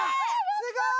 すごい！